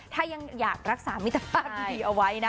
ถ้ายังอยากรักษามิตรภาพที่ดีเอาไว้นะ